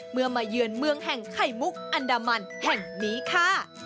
มาเยือนเมืองแห่งไข่มุกอันดามันแห่งนี้ค่ะ